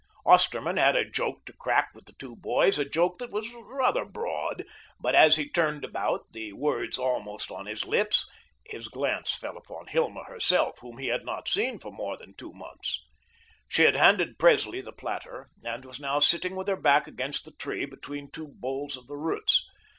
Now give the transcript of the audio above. Osterman had a joke to crack with the two boys, a joke that was rather broad, but as he turned about, the words almost on his lips, his glance fell upon Hilma herself, whom he had not seen for more than two months. She had handed Presley the platter, and was now sitting with her back against the tree, between two boles of the roots.